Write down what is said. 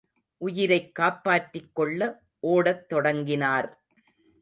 உயிரைக் காப்பாற்றிக்கொள்ள ஓடத்தொடங்கினார்.